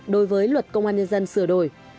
đối với luật công an nhân dân sửa đổi